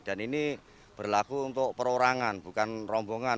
dan ini berlaku untuk perorangan bukan rombongan